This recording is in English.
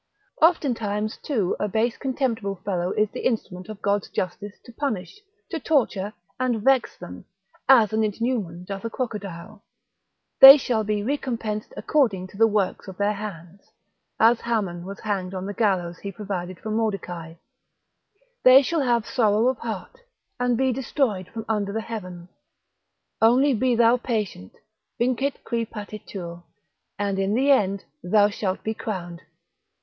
Oftentimes too a base contemptible fellow is the instrument of God's justice to punish, to torture, and vex them, as an ichneumon doth a crocodile. They shall be recompensed according to the works of their hands, as Haman was hanged on the gallows he provided for Mordecai; They shall have sorrow of heart, and be destroyed from under the heaven, Thre. iii. 64, 65, 66. Only be thou patient: vincit qui patitur: and in the end thou shalt be crowned.